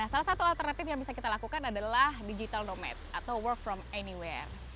salah satu alternatif yang bisa kita lakukan adalah digital nomad atau work from anywhere